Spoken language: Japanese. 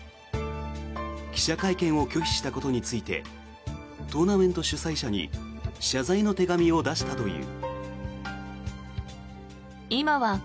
記者会見を拒否したことについてトーナメント主催者に謝罪の手紙を出したという。